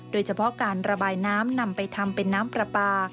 โดยเฉพาะการระบายน้ำนำไปทำเป็นน้ำปลาปลา